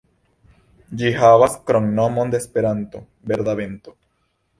Ĝi havas kromnomon de Esperanto, "Verda Vento".